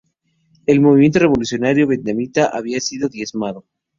El movimiento revolucionario vietnamita había sido diezmado.